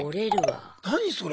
何それ。